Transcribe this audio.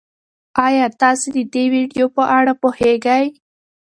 ایا تاسي د دې ویډیو په اړه پوهېږئ؟